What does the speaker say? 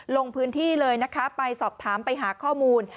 ลงพื้นที่เลยนะคะไปสอบถามไปหาข้อมูล